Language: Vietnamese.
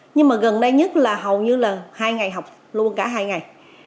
nhưng mà gần đây nhất là hầu như là hai ngày học luôn cả hai ngày